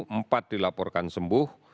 empat dilaporkan sembuh